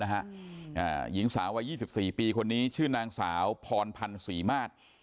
หญิงสาววัย๒๔ปีคนนี้ชื่อนางสาวพรพันธ์ศรีมาศ